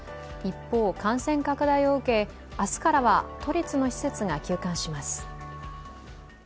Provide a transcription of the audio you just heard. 一方、感染拡大を受け、明日からは都立の施設が休館します。